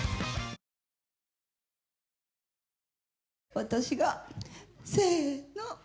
私がせの！